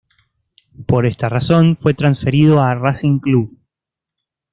Por esta razón fue transferido a Racing Club.